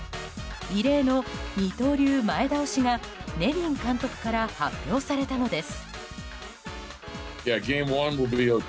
異例の二刀流前倒しがネビン監督から発表されたのです。